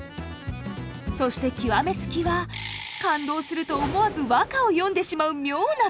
そして極め付きは感動すると思わず和歌を詠んでしまう妙な癖。